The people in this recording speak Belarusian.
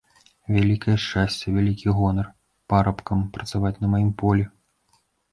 Вялікае шчасце, вялікі гонар парабкам працаваць на маім полі.